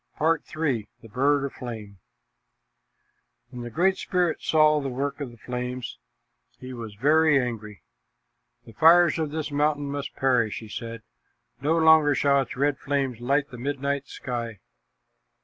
PART III. THE BIRD OF FLAME When the Great Spirit saw the work of the flames, he was very angry. "The fires of this mountain must perish," he said. "No longer shall its red flames light the midnight sky."